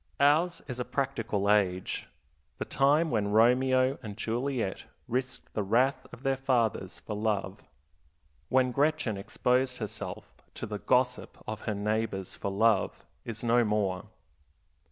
Ours is a practical age. The time when Romeo and Juliet risked the wrath of their fathers for love, when Gretchen exposed herself to the gossip of her neighbors for love, is no more.